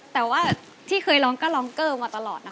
แต่ว่าที่เคยร้องก็ร้องเกอร์มาตลอดนะคะ